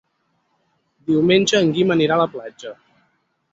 Diumenge en Guim anirà a la platja.